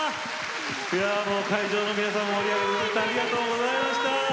会場の皆さんも盛り上げていただき本当、ありがとうございました。